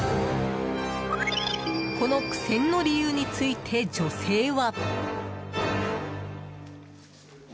この苦戦の理由について女性は。